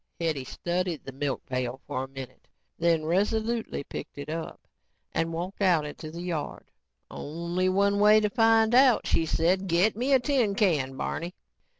Hetty studied the milk pail for a minute and then resolutely picked it up and walked out into the yard. "Only one way to find out," she said. "Get me a tin can, Barney."